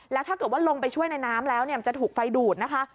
แล้วถ้าเกิดว่าลงไปช่วยในน้ำแล้วจะถูกไฟดูดนะคะ